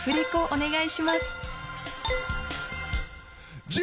お願いします